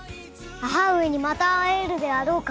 母上にまた会えるであろうか？